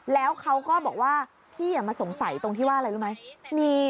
แล้วเขาก็บอกว่าพี่มาสงสัยตรงที่ว่าอะไรรู้ไหม